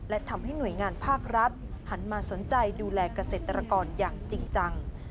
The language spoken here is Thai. และทำให้หน่วยงานภาครัฐหันมาสนใจดูแลเกษตรกรอย่างจริงจัง